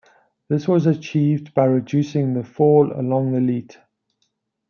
This was achieved by reducing the fall along the leat.